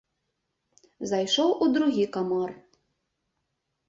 Зайшоў у другі камар.